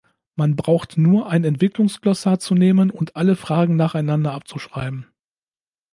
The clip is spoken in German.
Man braucht nur ein Entwicklungs-Glossar zu nehmen und alle Fragen nacheinander abzuschreiben.